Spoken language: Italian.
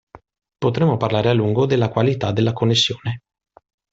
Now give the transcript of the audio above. Potremmo parlare a lungo della qualità della connessione.